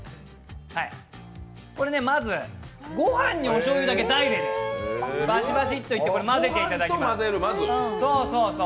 これまず御飯におしょうゆだけダイレクトにばしばしっといっていただいて混ぜていただきます。